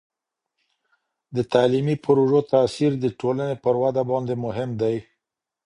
د تعلیمي پروژو تاثیر د ټولني پر وده باندې مهم دی.